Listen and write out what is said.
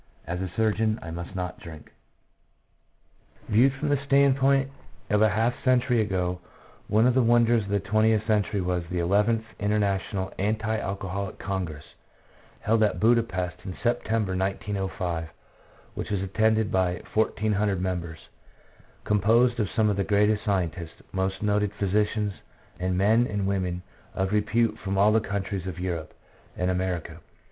As a surgeon I must not drink." Viewed from the standpoint of a half century ago, one of the wonders of the twentieth century was the Eleventh International Anti Alcoholic Congress, held at Budapest in September 1905, which was attended by 1400 members, composed of some of the greatest scientists, most noted physicians, and men and women of repute from all the countries of Europe and America.